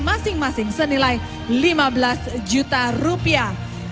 masing masing senilai lima belas juta rupiah